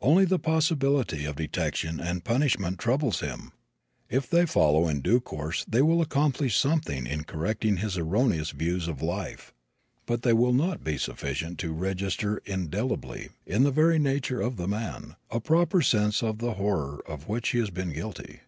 Only the possibility of detection and punishment troubles him. If they follow in due course they will accomplish something in correcting his erroneous views of life. But they will not be sufficient to register indelibly, in the very nature of the man, a proper sense of the horror of which he has been guilty.